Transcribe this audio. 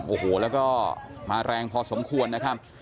โอ้โหแล้วก็มาแรงพอสมควรนะครับ